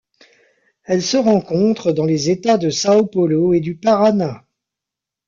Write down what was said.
Elle se rencontre dans les États de São Paulo et du Paraná.